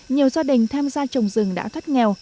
nhiều gia đình tham gia trồng rừng đã thoát nghèo